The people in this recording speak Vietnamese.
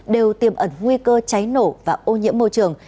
đều tiềm ẩn nguy cơ cháy nổ và ô nhiễm môi trường